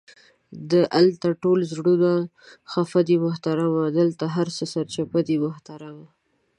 دالته ټول زړونه خفه دې محترمه، دالته هر څه سرچپه دي محترمه!